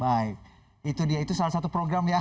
baik itu dia itu salah satu program ya